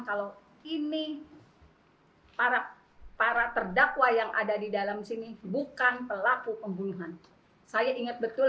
kalau ini para para terdakwa yang ada di dalam sini bukan pelaku pembunuhan saya ingat betul